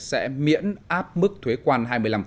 sẽ miễn áp mức thuế quan hai mươi năm